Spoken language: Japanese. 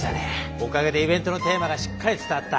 おかげでイベントのテーマがしっかり伝わった。